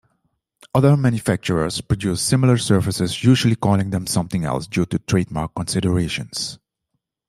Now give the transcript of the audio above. Other manufacturers produced similar services, usually calling them something else due to trademark considerations.